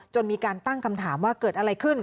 มีการตั้งคำถามว่าเกิดอะไรขึ้น